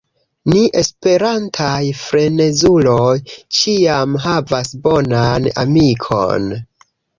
Ni esperantaj frenezuloj ĉiam havas bonan amikon.